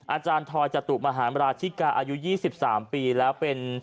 อาจารย์ทอยจัตุมหาราชิกาอายุยี่สิบสามปีแล้วเป็น